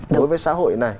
đối với xã hội này